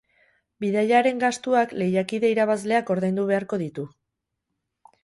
Bidaiaren gastuak lehiakide irabazleak ordaindu beharko ditu.